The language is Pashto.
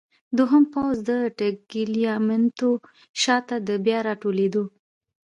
دوهم پوځ د ټګلیامنتو شاته د بیا راټولېدو.